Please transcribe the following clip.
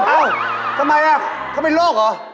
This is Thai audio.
เอ้าทำไมเขาเป็นโรคเหรอ